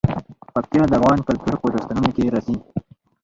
پکتیا د افغان کلتور په داستانونو کې راځي.